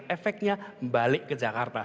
efeknya balik ke jakarta